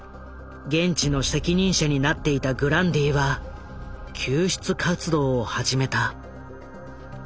現地の責任者になっていたグランディは救出活動を始めた。